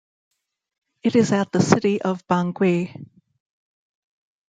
It is at the city of Bangui.